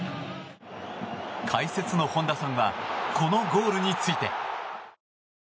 解説の本田さんはこのゴールについて。